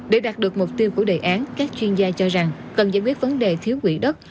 để đạt được mục tiêu của đề án các chuyên gia cho rằng cần giải quyết vấn đề thiếu quỹ đất